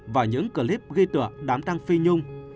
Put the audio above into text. và những clip ghi tựa đám tang phi nhung